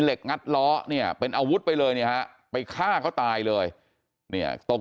งัดล้อเนี่ยเป็นอาวุธไปเลยเนี่ยฮะไปฆ่าเขาตายเลยเนี่ยตก